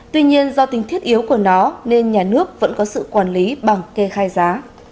tuy nhiên do tình thiết yếu của nó nên nhà nước vẫn có sự quản lý bằng kê khai giá